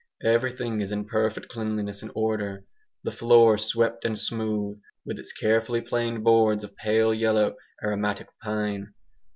Everything is in perfect cleanliness and order the floor swept and smooth, with its carefully planed boards of pale yellow aromatic pine.